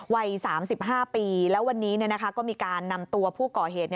วัย๓๕ปีแล้ววันนี้ก็มีการนำตัวผู้ก่อเหตุ